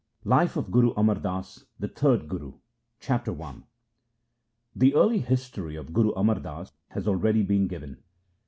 LIFE OF GURU AMAR DAS, THE THIRD GURU Chapter I The early history of Guru Amar Das has already been given.